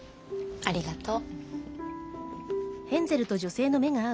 ありがとう。